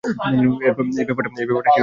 এই ব্যাপারটা ছিল আমার অত্যন্ত প্রিয়।